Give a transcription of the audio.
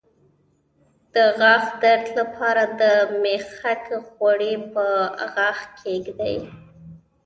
د غاښ درد لپاره د میخک غوړي په غاښ کیږدئ